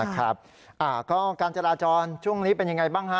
การจราจรช่วงนี้เป็นอย่างไรบ้าง